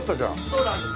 そうなんです。